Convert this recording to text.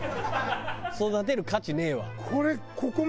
育てる価値ねえわ。